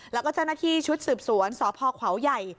แล้วก็เจ้าหน้าที่ชุดสืบสวนสพขวาวใหญ่